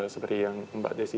seperti yang mbak desi